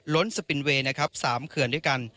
สปินเวย์นะครับ๓เขื่อนด้วยกัน